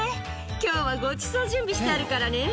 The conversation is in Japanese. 「今日はごちそう準備してあるからね」